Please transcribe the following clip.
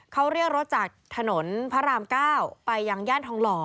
เขาเรียกรถจากถนนพระราม๙ไปยังย่านทองหล่อ